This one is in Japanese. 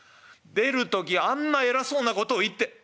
出る時あんな偉そうなことを言って。